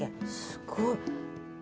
すごい。